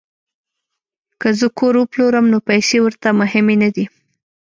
که زه کور وپلورم نو پیسې ورته مهمې نه دي